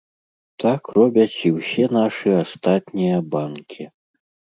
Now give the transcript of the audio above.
Так робяць і ўсе нашы астатнія банкі.